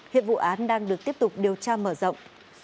hiện vụ án đang được tiếp tục điều tra mở rộng